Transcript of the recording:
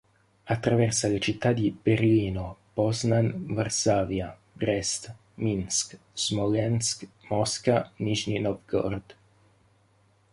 Attraversa le città di Berlino, Poznań, Varsavia, Brėst, Minsk, Smolensk, Mosca, Nižnij Novgorod.